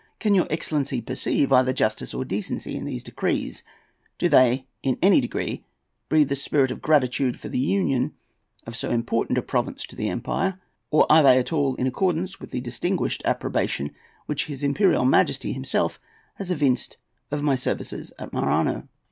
Can your excellency perceive either justice or decency in these decrees? Do they in any degree breathe the spirit of gratitude for the union of so important a province to the empire, or are they at all in accordance with the distinguished approbation which his Imperial Majesty himself has evinced of my services at Maranhão?